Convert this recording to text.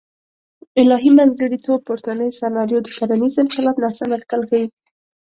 الهي منځګړیتوب پورتنۍ سناریو د کرنیز انقلاب ناسم اټکل ښیي.